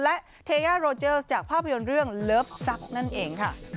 และเทยาโรเจอร์จากภาพยนตร์เรื่องเลิฟซักนั่นเองค่ะ